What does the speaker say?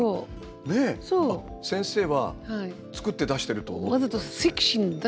先生は作って出してると？